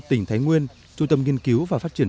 tỉnh thái nguyên trung tâm nghiên cứu và phát triển